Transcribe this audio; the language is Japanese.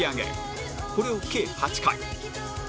これを計８回